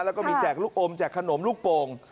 แล้วก็มีแจกลูกอมแจกขนมลูกโป่ง